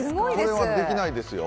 これはできないですよ。